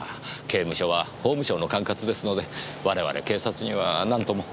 刑務所は法務省の管轄ですので我々警察にはなんとも。